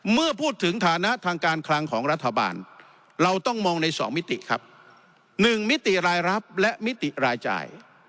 เมื่อพูดถึงฐานะทางการคลังของรัฐบาลเราต้องมองใน๒มิติครับ๑มิติรายรับและมิติรายจ่าย